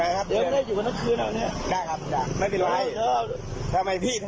ก็ได้แล้วพี่ข้านั่งโจ๊ะ